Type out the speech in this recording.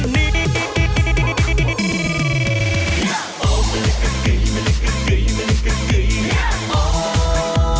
โน้ท